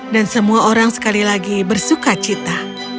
dan semua orang sekali lagi bersuka cita